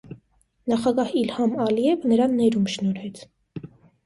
Նախագահ Իլհամ Ալիևը նրան ներում շնորհեց։